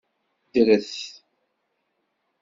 Ddret!